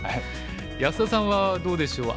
安田さんはどうでしょう。